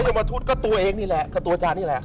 เอามาทุศก็ตัวเองนี่แหละก็ตัวอาจารย์นี่แหละ